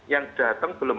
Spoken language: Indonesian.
yang datang belum